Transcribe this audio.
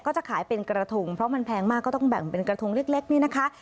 จะขายเป็นกระทงเพราะมันแพงมากก็ต้องแบ่งเป็นกระทงเล็กนี่นะคะ